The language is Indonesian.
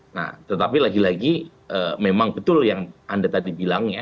nah tetapi lagi lagi memang betul yang anda tadi bilang ya